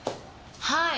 はい。